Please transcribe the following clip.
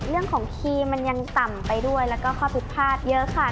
เรื่องของคีย์มันยังต่ำไปด้วยแล้วก็ข้อผิดพลาดเยอะค่ะ